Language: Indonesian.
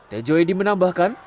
tejo edipur menambahkan